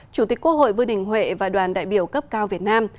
chủ tịch quốc hội vương đình huệ và đoàn đại biểu cấp cao việt nam